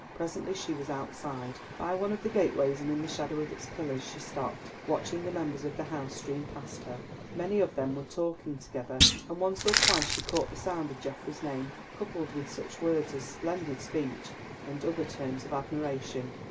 Presently she was outside. By one of the gateways, and in the shadow of its pillars, she stopped, watching the members of the House stream past her. Many of them were talking together, and once or twice she caught the sound of Geoffrey's name, coupled with such words as "splendid speech," and other terms of admiration.